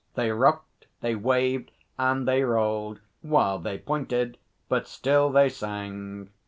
They rocked, they waved, and they rolled while they pointed, but still they sang.